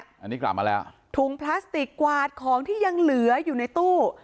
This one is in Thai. อันนี้กลับมาแล้วถุงพลาสติกกวาดของที่ยังเหลืออยู่ในตู้